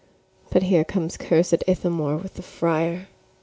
But here comes cursed Ithamore with the friar.